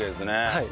はい。